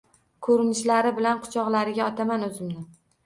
Ko‘rinishlari bilan quchoqlariga otaman o‘zimni